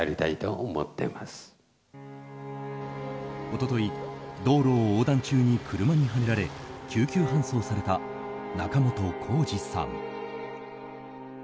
一昨日道路を横断中に車にはねられ、緊急搬送された仲本工事さん。